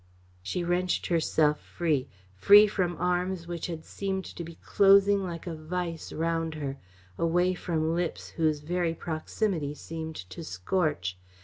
She wrenched herself free free from arms which had seemed to be closing like a vice round her, away from lips whose very proximity seemed to scorch.